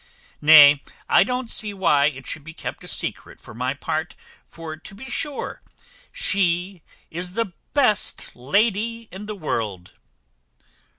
Nay, I don't see why it should be kept a secret for my part; for to be sure she is the best lady in the world."